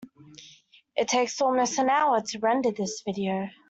It takes almost an hour to render this video.